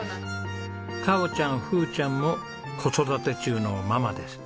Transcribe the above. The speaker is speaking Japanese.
かおちゃんふーちゃんも子育て中のママです。